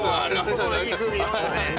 そばのいい風味出ますね。